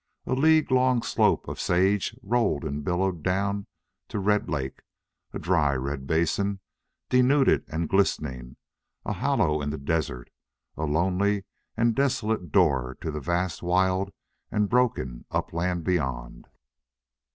A league long slope of sage rolled and billowed down to Red Lake, a dry red basin, denuded and glistening, a hollow in the desert, a lonely and desolate door to the vast, wild, and broken upland beyond.